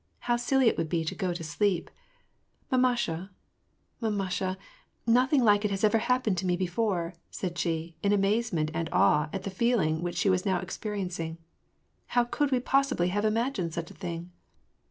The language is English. How silly it would be to go to sleep ! Mamasha, mamasha, nothing like it ever hap pened to me before," said she, in amazement and awe at the feeling which she was now experiencing. " How could we possibly have imagined such a thing